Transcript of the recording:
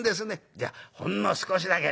『じゃあほんの少しだけ』。